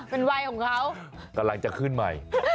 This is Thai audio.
เป็นวัยของเขากำลังจะขึ้นใหม่